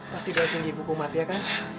pasti dari tinggi ibu kumatia kan